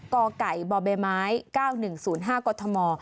กไก่บเบม้าย๙๑๐๕กม